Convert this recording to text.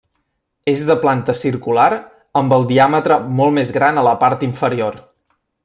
És de planta circular amb el diàmetre molt més gran a la part inferior.